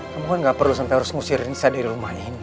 kamu kan gak perlu sampai harus ngusir rinsa dari rumah ini